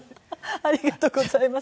ありがとうございます。